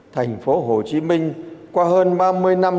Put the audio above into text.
thành phố hồ chí minh qua hơn ba mươi năm